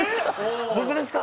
僕ですか？